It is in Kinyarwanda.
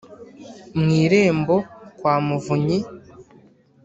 mu irembo kwa muvunyi